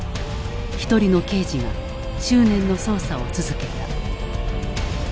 一人の刑事が執念の捜査を続けた。